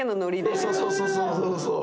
そうそうそうそう。